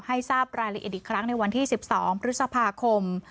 ทราบรายละเอียดอีกครั้งในวันที่๑๒พฤษภาคม